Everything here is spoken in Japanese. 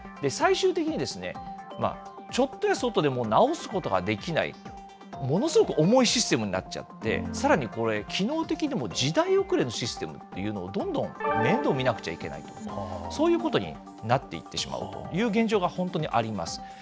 最終的にちょっとやそっとで直すことができない、ものすごく重いシステムになっちゃって、さらにこれ、機能的にも、時代遅れのシステムというのをどんどん面倒見なくちゃいけないと、そういうことになっていってしまうという現状が本当にあります。